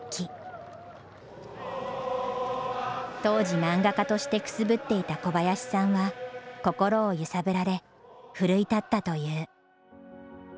当時マンガ家としてくすぶっていた小林さんは心を揺さぶられ奮い立ったという。